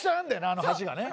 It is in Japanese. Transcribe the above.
あの橋がね。